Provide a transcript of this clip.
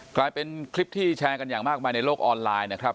กลายเป็นคลิปที่แชร์กันอย่างมากมายในโลกออนไลน์นะครับ